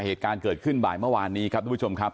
เหตุการณ์เกิดขึ้นบ่ายเมื่อวานนี้ครับทุกผู้ชมครับ